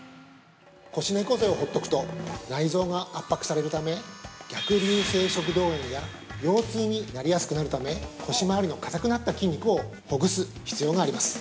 ◆腰猫背をほっとくと内臓が圧迫されるため、逆流性食道炎や腰痛になりやすくなるため、腰回りのかたくなった筋肉をほぐす必要があります。